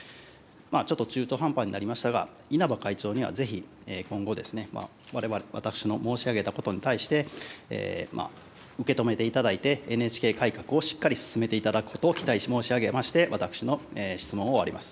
ちょっと中途半端になりましたが、稲葉会長には、ぜひ今後、私の申し上げたことに対して、受け止めていただいて、ＮＨＫ改革をしっかり進めていただくことを期待申し上げまして、私の質問を終わります。